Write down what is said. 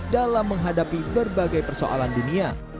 dalam menghadapi berbagai persoalan dunia